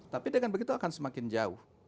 tapi dengan begitu akan semakin jauh